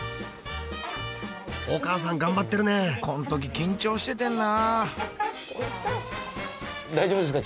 お母さん頑張ってるねこのとき緊張しててんなあ大丈夫ですか？